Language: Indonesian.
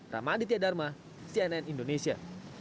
ramaditya dharma cnn indonesia